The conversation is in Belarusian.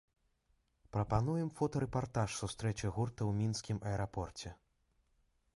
Прапануем фотарэпартаж сустрэчы гурта ў мінскім аэрапорце.